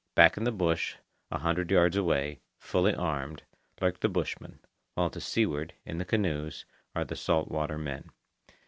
Back in the bush, a hundred yards away, fully armed, lurk the bushmen, while to seaward, in the canoes, are the salt water men.